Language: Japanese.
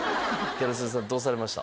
ギャル曽根さんどうされました？